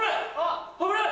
危ない！